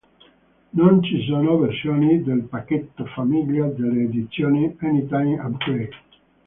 Non ci sono versioni del pacchetto famiglia delle edizioni Anytime Upgrade.